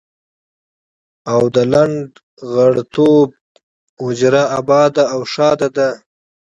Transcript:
او د لنډه غرتوب حجره اباده او ښاده ده.